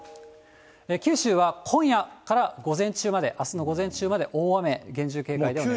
九州は今夜から午前中まで、あすの午前中まで大雨、厳重警戒です。